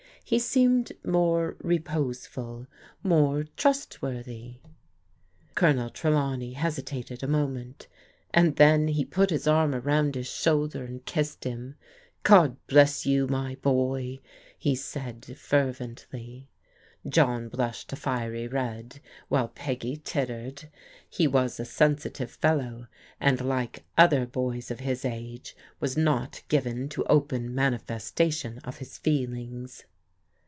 He seemed more reposeful — ^more trustworthy. Colonel Trelawney hesitated a moment, and then he put his arm around his shoulder and kissed him. " God bless you, my boy," he said fervently. John blushed a fiery red, while Peggy tittered. He was a sensitive fellow, and like other boys of his age, was not given to open manifestation of his feelings.